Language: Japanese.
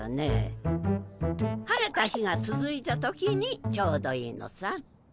晴れた日がつづいた時にちょうどいいのさ。